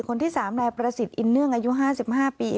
คนที่๓นายประสิทธิ์อินเนื่องอายุ๕๕ปี